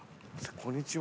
こんにちは。